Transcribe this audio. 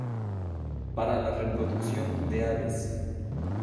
Para la reproducción de aves.